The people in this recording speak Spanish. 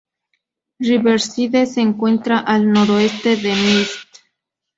Riverside se encuentra al noroeste de Mist.